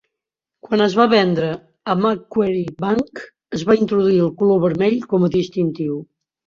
Quan es va vendre a Macquarie Bank, es va introduir el color vermell com a distintiu.